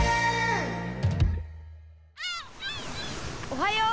おはよう！